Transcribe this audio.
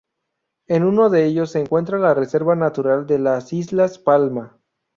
En uno de ellos se encuentra la Reserva natural de las Islas Palma.